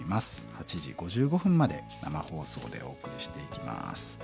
８時５５分まで生放送でお送りしていきます。